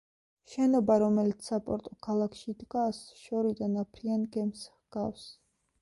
შენობა, რომელიც საპორტო ქალაქში დგას, შორიდან აფრიან გემს ჰგავს.